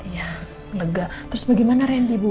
ya lega terus bagaimana randy bu